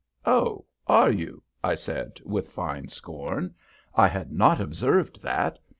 _" "Oh, are you?" I said, with fine scorn. "I had not observed that.